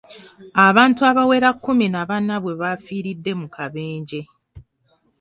Abantu abawera kumi na bana bwe bafiiridde mu kabenje.